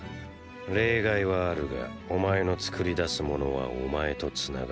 例外はあるがお前の作り出す物はお前と繋がっている。